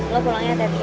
lo pulangnya teh bi ya